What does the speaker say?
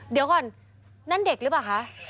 เดี๋ยวก่อนนั่นเด็กหรือเปล่าคะ